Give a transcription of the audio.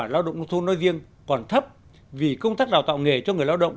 lao động nông thôn nói riêng còn thấp vì công tác đào tạo nghề cho người lao động